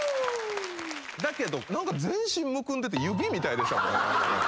だけど何か全身むくんでて指みたいでしたもんね